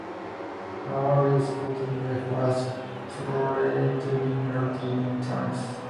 Her early sporting life was predominantly in tennis.